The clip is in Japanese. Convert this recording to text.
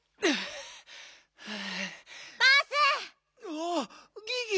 あっギギ。